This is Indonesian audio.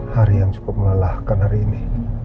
hari yang cukup melelahkan hari ini